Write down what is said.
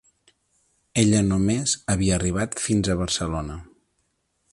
Ella només havia arribat fins a Barcelona.